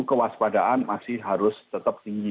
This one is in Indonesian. kewaspadaan masih harus tetap tinggi